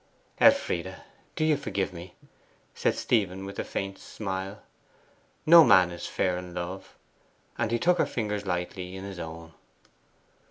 'Elfride, do you forgive me?' said Stephen with a faint smile. 'No man is fair in love;' and he took her fingers lightly in his own.